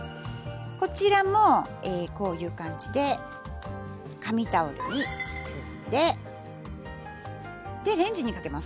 こちらもこういう感じで紙タオルに包んででレンジにかけます